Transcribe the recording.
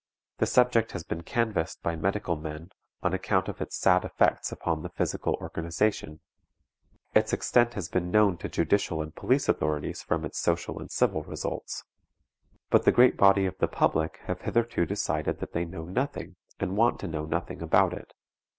The subject has been canvassed by medical men on account of its sad effects upon the physical organization; its extent has been known to judicial and police authorities from its social and civil results; but the great body of the public have hitherto decided that they know nothing, and want to know nothing about it.